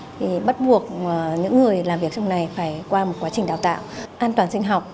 thì bắt buộc những người làm việc trong này phải qua một quá trình đào tạo an toàn sinh học